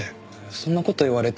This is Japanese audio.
そんな事を言われても。